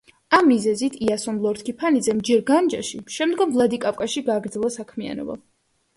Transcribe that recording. ამ მიზეზით იასონ ლორთქიფანიძემ ჯერ განჯაში, შემდგომ ვლადიკავკაზში გააგრძელა საქმიანობა.